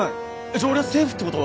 じゃあ俺はセーフってこと！？